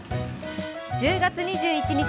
１０月２１日